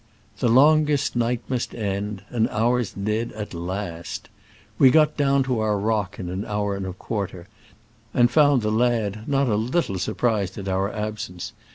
The longest night must end, and ours did at last. We got down to our rock in an hour and a quarter, and found the lad not a little surprised at our absence.